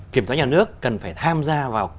kiểm tra nhà nước cần phải tham gia vào